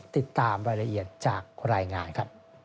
ติดตามรายละเอียดจากรายงานครับ